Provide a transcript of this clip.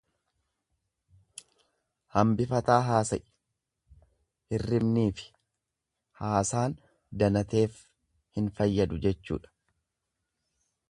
Hambifataa haasa'i hirribniifi haasaan danateef hin fayyadu jechuudha.